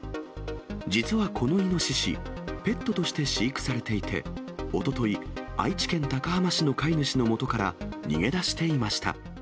実はこのイノシシ、ペットとして飼育されていて、おととい、愛知県高浜市の飼い主のもとから逃げ出していました。